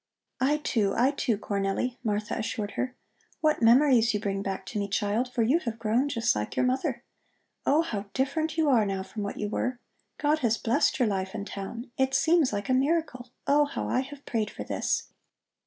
"I too, I too, Cornelli," Martha assured her. "What memories you bring back to me, child, for you have grown just like your mother. Oh, how different you are now from what you were. God has blessed your life in town. It seems like a miracle. Oh, how I have prayed for this!"